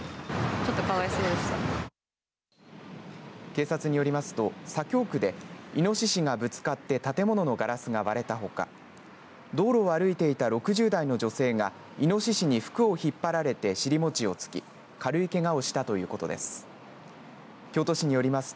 警察によりますと左京区でイノシシがぶつかって建物のガラスが割れたほか道路を歩いていた６０代の女性がイノシシに服を引っ張られて尻餅をつき軽いけがをしたということです。